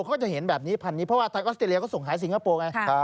เขาก็จะเห็นแบบนี้พันนี้เพราะว่าทางออสเตรเลียก็ส่งหายสิงคโปร์ไง